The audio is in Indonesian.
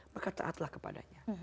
maka taatlah kepadanya